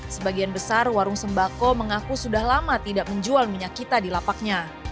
sebagian besar warung sembako mengaku sudah lama tidak menjual minyak kita di lapaknya